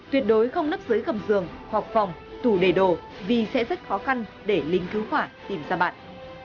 tuyệt đối không nấp dưới cầm giường hoặc phòng tủ đề đồ vì sẽ rất khó khăn để lính cứu khỏa tìm ra bạn